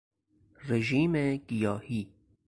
رژیم گیاهی